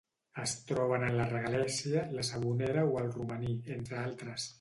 Es troben en la regalèssia, la sabonera o el romaní, entre altres.